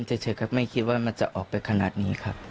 เฉยครับไม่คิดว่ามันจะออกไปขนาดนี้ครับ